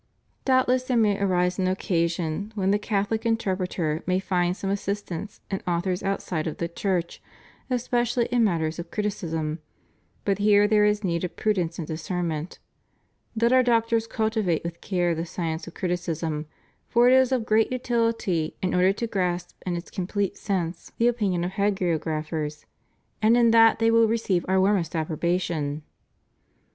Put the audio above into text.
Doubtless there may arise an occasion when the Catho lic interpreter may find some assistance in authors outside of the Church, especially in matters of criticism, but here there is need of prudence and discernment. Let our doc tors cultivate with care the science of criticism, for it is of great utility in order to grasp in its complete sense the ^ Cone. Vatic, sess. iii., cap. ii. THE BIBLICAL COMMISSION. 541 opinion of hagiographers ; and in that they will receive Our warmest approbation.